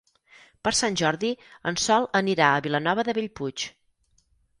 Per Sant Jordi en Sol anirà a Vilanova de Bellpuig.